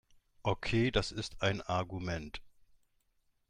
Okay, das ist ein Argument.